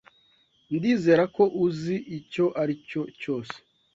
Ndizera ko uzi icyo aricyo cyose.